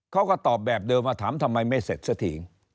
เขาก็ตอบแบบเดิมว่าถามทำไมไม่เสร็จสักที